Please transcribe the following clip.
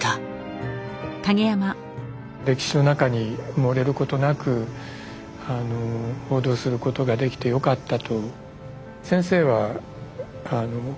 歴史の中に埋もれることなく報道することができてよかったと。